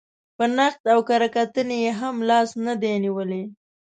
په نقد او کره کتنې یې هم لاس نه دی نېولی.